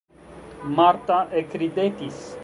Marta ekridetis.